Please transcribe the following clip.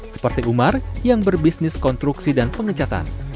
seperti umar yang berbisnis konstruksi dan pengecatan